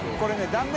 断面。